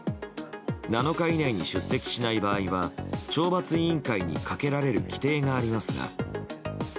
７日以内に出席しない場合は懲罰委員会にかけられる規定がありますが。